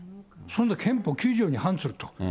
そんな憲法９条に反すると。